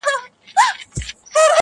• حقيقت ګډوډېږي د خلکو خبرو کي..